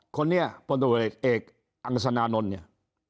คนนี้พลตรวจเอกอังสนานนท์เนี่ย